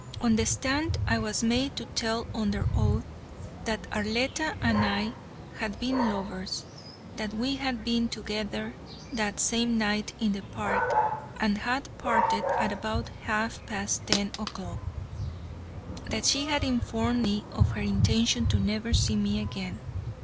On the stand, I was made to tell, under oath, that Arletta and I had been lovers; that we had been together that same night in the park, and had parted at about half past ten o'clock; that she had informed me of her intention to never see me again.